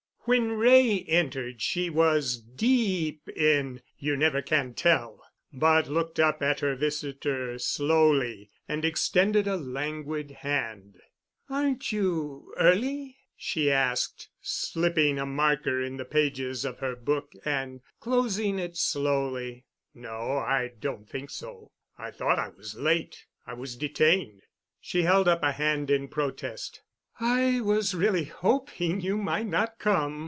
When Wray entered she was deep in "You Never Can Tell," but looked up at her visitor slowly and extended a languid hand. "Aren't you early?" she asked, slipping a marker in the pages of her book and closing it slowly. "No, I don't think so. I thought I was late. I was detained." She held up a hand in protest. "I was really hoping you might not come.